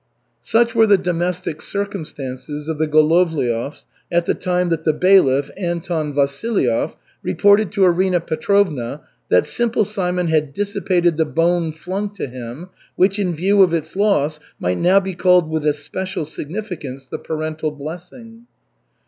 Such were the domestic circumstances of the Golovliovs at the time that the bailiff, Anton Vasilyev, reported to Arina Petrovna that Simple Simon had dissipated "the bone" flung to him, which, in view of its loss, might now be called with especial significance the "parental blessing."